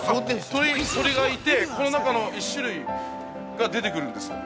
◆鳥がいて、この中の１種類が出てくるんですよ。